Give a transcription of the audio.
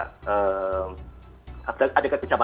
kita percaya enggak bahwa ada kekejaman pki